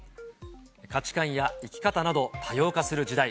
価値観や生き方など多様化する時代。